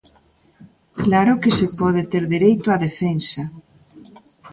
Claro que se pode ter dereito á defensa!